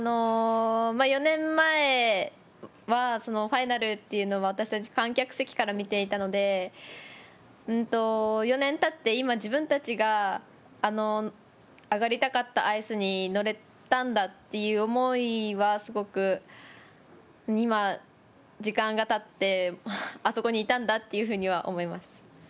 ４年前は、ファイナルっていうのを、私たち観客席から見ていたので、４年たって今、自分たちが、あの上がりたかったアイスに乗れたんだっていう思いは、すごく今、時間がたって、あそこにいたんだっていうふうには思います。